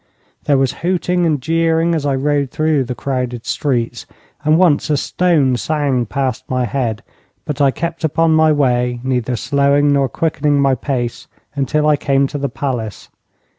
There was hooting and jeering as I rode through the crowded streets, and once a stone sang past my head, but I kept upon my way, neither slowing nor quickening my pace, until I came to the palace.